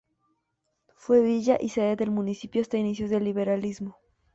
Fue villa y sede del municipio hasta inicios del liberalismo.